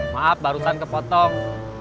maaf barusan kepotong